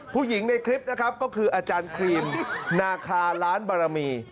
ผู้หญิงในคลิปนะครับก็คืออาจารย์ครีมนาคาล้านบารมี